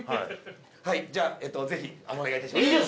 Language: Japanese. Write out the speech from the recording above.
はいじゃあ是非お願いいたします。